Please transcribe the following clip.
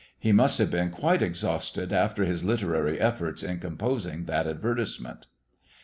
He must have been quite exhausted after his literary effort in composing that advertisement.